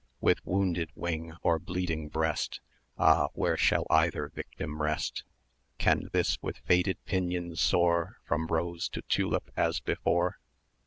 With wounded wing, or bleeding breast, 410 Ah! where shall either victim rest? Can this with faded pinion soar From rose to tulip as before?